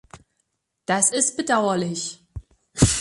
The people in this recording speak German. Das ist bedauerlich!